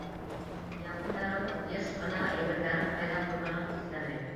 Яҡындарыбыҙ йыш ҡына әйберҙәрен ҡайҙа ҡуйғанын иҫләмәй.